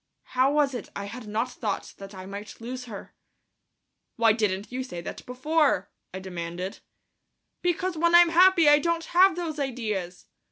how was it I had not thought that I might lose her.... "Why didn't you say that before?" I demanded. "Because when I'm happy I don't have those ideas.